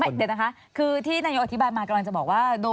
เดี๋ยวนะคะคือที่นายกอธิบายมากำลังจะบอกว่า